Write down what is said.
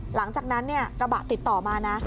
หลังจากนั้นเนี่ยกระบะติดต่อมานะ